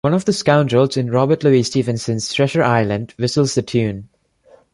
One of the scoundrels in Robert Louis Stevenson's "Treasure Island" whistles the tune.